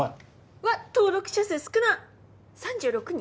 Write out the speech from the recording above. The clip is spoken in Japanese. うわっ登録者数少なっ３６人？